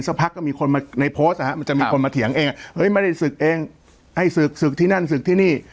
สักพักก็มีคนมาในโพสต์นะฮะมันจะมีคนมาเถียงเองเฮ้ยไม่ได้ศึกเองให้ศึกศึกที่นั่นศึกที่นี่